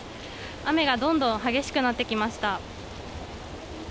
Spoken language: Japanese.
雨がどんどん激しくなってきました。